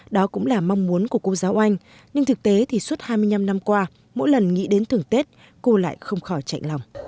đó cũng là mong muốn của cô giáo anh nhưng thực tế thì suốt hai mươi năm năm qua mỗi lần nghĩ đến thường tết cô lại không khỏi chạy lòng